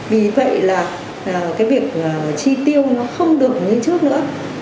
vì vậy là cái việc chi tiêu nó không được như trước nữa